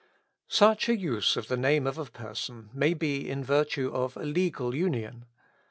Such a use of the name of a person may be in virtue of a legal union.